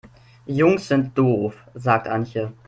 Jungs sind doof, sagt Antje.